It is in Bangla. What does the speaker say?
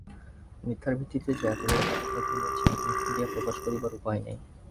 মিথ্যার ভিত্তিতে যে এতবড় ব্যাপারটা গড়িয়াছে, মুখ ফুটিয়া প্রকাশ করিবার উপায় নাই।